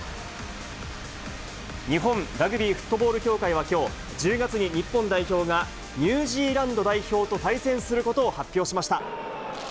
日本ラグビーフットボール協会はきょう、１０月に日本代表がニュージーランド代表と対戦することを発表しました。